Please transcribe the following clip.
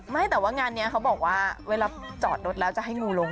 ไม่แต่ว่างานนี้เขาบอกว่าเวลาจอดรถแล้วจะให้งูลง